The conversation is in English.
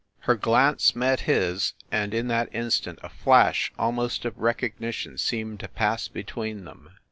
Her glance met his, and in that instant a flash almost of recognition seemed to pass between them.